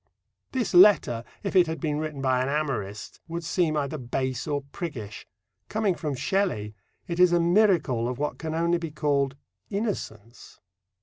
This letter, if it had been written by an amorist, would seem either base or priggish. Coming from Shelley, it is a miracle of what can only be called innocence.